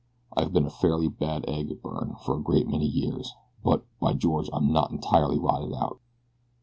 I've been a fairly bad egg, Byrne, for a great many years; but, by George! I'm not entirely rotten yet."